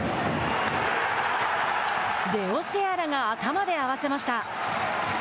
レオ・セアラが頭で合わせました。